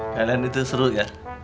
kalian itu seru ya